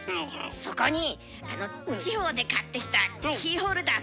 そこに地方で買ってきたキーホルダーとかつけてた。